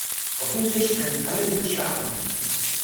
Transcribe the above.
Hoffentlich können alle gut schlafen.